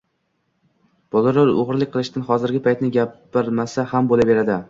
bolalar o‘g‘rilik qilishgan, hozirgi paytni gapirmasa ham bo‘laveradi